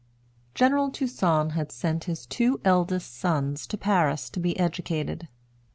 General Toussaint had sent his two eldest sons to Paris to be educated.